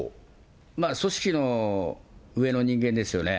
組織の上の人間ですよね。